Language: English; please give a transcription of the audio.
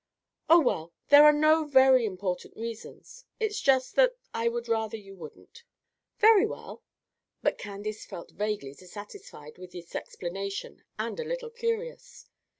"Oh, well, there are no very important reasons; it's just that I would rather you wouldn't." "Very well." But Candace felt vaguely dissatisfied with this explanation, and a little curious.